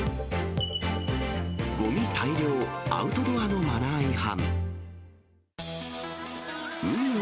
ごみ大量、アウトドアのマナー違反。